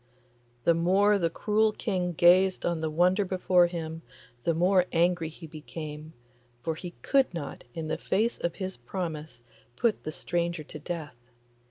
The more the cruel King gazed on the wonder before him, the more angry he became, for he could not, in the face of his promise, put the stranger to death.